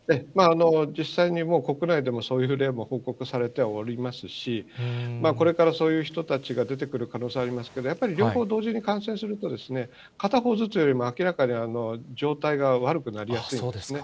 実際にもう、国内でもそういう例も報告されてはおりますし、これからそういう人たちが出てくる可能性ありますけれども、やっぱり両方同時に感染するとですね、片方ずつよりも明らかに状態が悪くなりやすいですね。